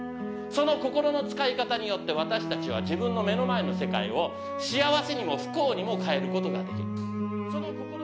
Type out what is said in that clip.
その心の使い方によって、私たちは自分の目の前の世界を幸せにも、不幸にも変えることができる。